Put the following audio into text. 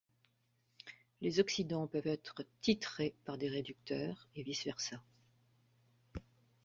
Les oxydants peuvent être titrés par des réducteurs et vice versa.